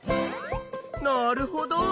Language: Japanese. なるほど！